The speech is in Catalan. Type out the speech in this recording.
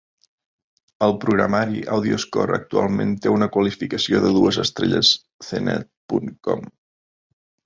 El programari AudioScore actualment té una qualificació de dues estrelles cnet punt com.